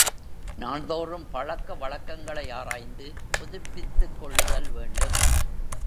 நாள்தோறும் பழக்கவழக்கங்களை ஆராய்ந்து புதுப்பித்துக் கொள்ளுதல் வேண்டும்.